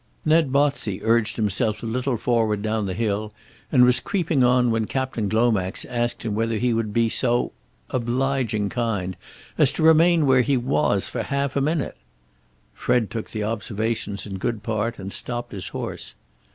Ned Botsey urged himself a little forward down the hill, and was creeping on when Captain Glomax asked him whether he would be so obliging kind as to remain where he was for half a minute. Ned took the observations in good part and stopped his horse.